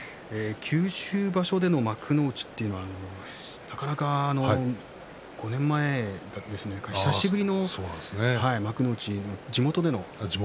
九州場所での幕内というのはなかなか５年前ですから久しぶりの幕内、地元での。